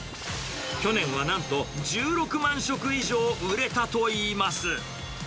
去年はなんと１６万食以上売れたといいます。